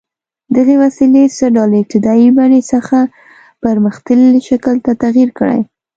دغې وسیلې څه ډول له ابتدايي بڼې څخه پرمختللي شکل ته تغییر کړی؟